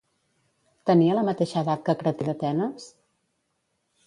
Tenia la mateixa edat que Cratí d'Atenes?